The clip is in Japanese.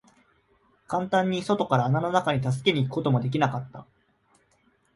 簡単に外から穴の中に助けに行くことも出来なかった。